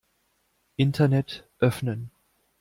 Internet öffnen.